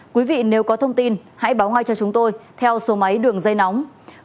quý vị nếu có thông tin hãy báo ngay cho chúng tôi theo số máy đường dây nóng sáu mươi chín hai trăm ba mươi bốn